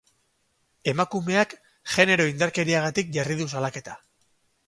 Emakumeak genero-indarkeriagatik jarri du salaketa.